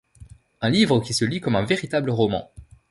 Un livre qui se lit comme un véritable roman.